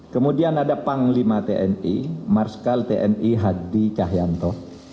kemudian ada panglima tni marskal tni hadi cahyanto